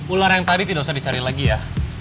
ular yang tadi tidak usah dicari lagi ya